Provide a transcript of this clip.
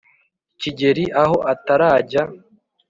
kigeli aho atarajya